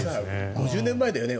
５０年前だよね。